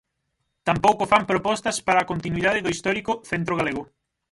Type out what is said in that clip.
Tampouco fan propostas para a continuidade do histórico Centro Galego.